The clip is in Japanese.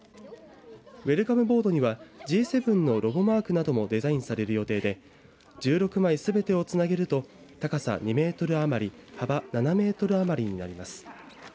ウェルカムボードには、Ｇ７のロゴマークなどもデザインされる予定で１６枚すべてをつなげると高さ２メートル余り幅７メートル余りになります。